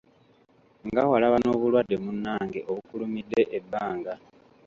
Nga walaba n'obulwadde munnange obukulumidde ebbanga.